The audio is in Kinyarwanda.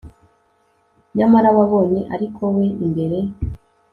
nyamara wabonye ariko we imbere